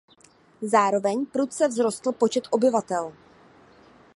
Zároveň prudce vzrostl počet obyvatel.